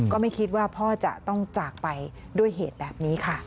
ก็ไม่คิดว่าพ่อจะต้องจากไปด้วยเหตุแบบนี้ค่ะ